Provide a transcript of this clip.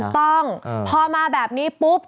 ต้องพอมาแบบนี้ปุ๊บ